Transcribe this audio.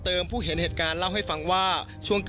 ช่วยเร่งจับตัวคนร้ายให้ได้โดยเร่ง